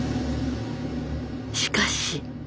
しかし。